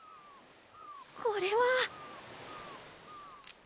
これは。